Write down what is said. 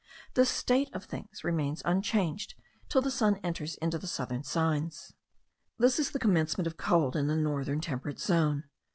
This state of things remains unchanged, till the sun enters into the southern signs. This is the commencement of cold in the northern temperate zone.